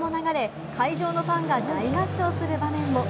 試合後には『乾杯』も流れ、会場のファンが大合唱する場面も。